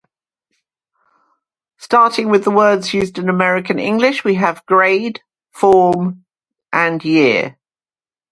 Starting with the words used in American English, we have "grade", "form" and "year".